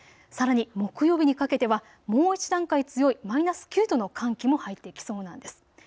さらに木曜日にかけてはもう１段階強いマイナス９度の寒気も入ってきそうなんです。